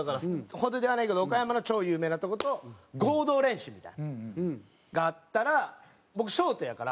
ほどではないけど岡山の超有名なとこと合同練習みたいなのがあったら僕ショートやから。